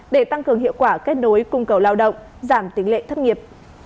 để tăng cường hiệu quả kết nối cung cầu lao động giảm tính lệ thất nghiệp